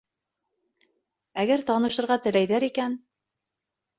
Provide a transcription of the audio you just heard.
Әгәр танышырға теләйҙәр икән...